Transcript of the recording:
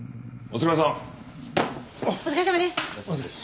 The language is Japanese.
お疲れさまです。